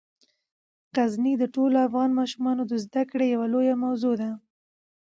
غزني د ټولو افغان ماشومانو د زده کړې یوه لویه موضوع ده.